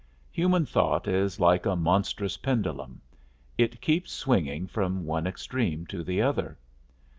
Human thought is like a monstrous pendulum: it keeps swinging from one extreme to the other.